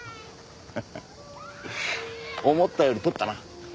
ハハハ思ったより取ったな。